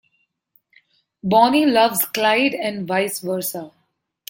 Bonnie loves Clyde and vice versa.